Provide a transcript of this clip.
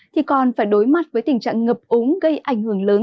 thì còn phải đối mặt với tình trạng ngập úng gây ảnh hưởng lớn